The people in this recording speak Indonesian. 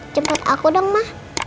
cepet aku dong ma